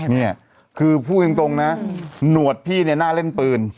นี่คือพูดตรงนะหนวดพี่เนี่ยน่าเล่นปืน